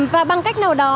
và bằng cách nào đó